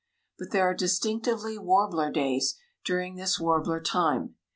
But there are distinctively "warbler days" during this warbler time.